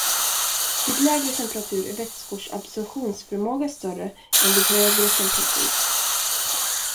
Vid lägre temperatur är vätskors absorptionsförmåga större än vid högre temperatur.